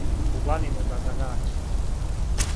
У планину да га нађе,